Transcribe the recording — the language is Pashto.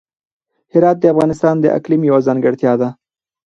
هرات د افغانستان د اقلیم یوه ځانګړتیا ده.